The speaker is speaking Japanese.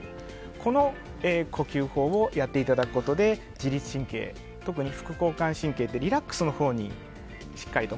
この呼吸法をやっていただくことで自律神経、特に副交感神経ってリラックスのほうにしっかりと。